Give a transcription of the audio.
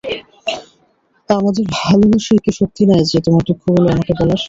আমাদের ভালবাসায় কি শক্তি নাই যে তোমার দুঃখগুলো আমাকে বলার?